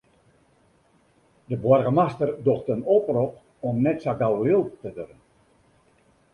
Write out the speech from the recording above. De boargemaster docht in oprop om net sa gau lilk te wurden.